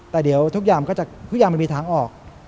แต่เดี๋ยวทุกอย่างมันมีทางออก